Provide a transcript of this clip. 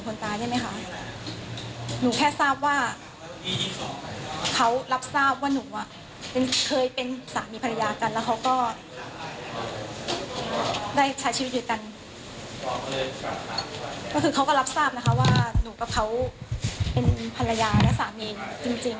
ก็คือเขาก็รับทราบนะคะว่าหนูกับเขาเป็นภรรยาและสามีจริง